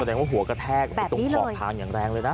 แสดงว่าหัวกระแทกไปตรงขอบทางอย่างแรงเลยนะ